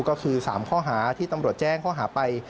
ก็คือ๓ข้อหาที่ตำรวจแจ้งข้อหาไป